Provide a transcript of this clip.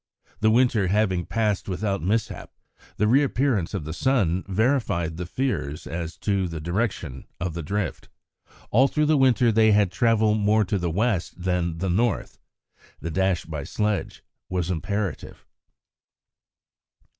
The winter having passed without mishap, the reappearance of the sun verified the fears as to the direction of the drift. All through the winter they had travelled more to the West than the North. The dash by sledge was imperative.